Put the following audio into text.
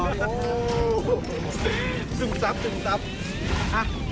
ได้รับกว่าวีนย์แซนได้ผมให้บอก